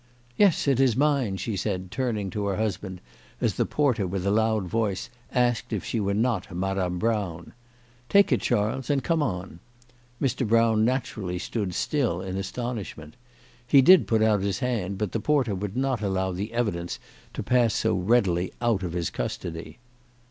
" Yes, it is mine," she said, turning to her husband, as the porter, with a loud voice, asked if she were not Madame Brown. " Take it, Charles, and come on." Mr. Brown naturally stood still in astonishment. He did put out his hand, but the porter would not allow the evidence to pass so readily out of his custody.